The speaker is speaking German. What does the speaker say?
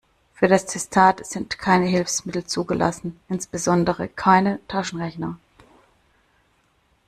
Für das Testat sind keine Hilfsmittel zugelassen, insbesondere keine Taschenrechner.